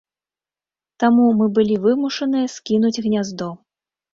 Таму мы былі вымушаныя скінуць гняздо.